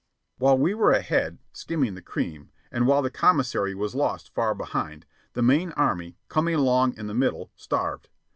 While we were ahead, skimming the cream, and while the commissary was lost far behind, the main Army, coming along in the middle, starved.